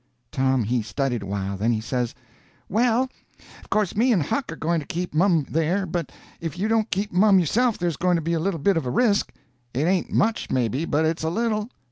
Tom he studied awhile, then he says: "Well, of course me and Huck are going to keep mum there, but if you don't keep mum yourself there's going to be a little bit of a risk—it ain't much, maybe, but it's a little.